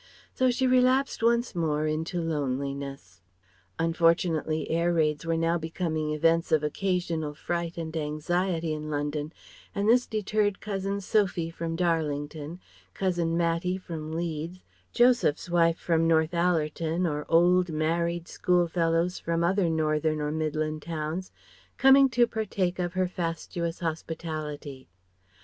So she relapsed once more into loneliness. Unfortunately air raids were now becoming events of occasional fright and anxiety in London, and this deterred Cousin Sophie from Darlington, Cousin Matty from Leeds, Joseph's wife from Northallerton or old, married schoolfellows from other northern or midland towns coming to partake of her fastuous hospitality.